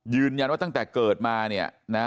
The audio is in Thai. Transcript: ยืนยันว่าตั้งแต่เกิดมาเนี่ยนะ